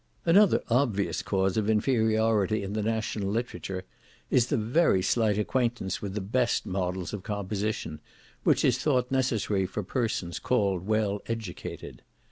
Another obvious cause of inferiority in the national literature, is the very slight acquaintance with the best models of composition, which is thought necessary for persons called well educated.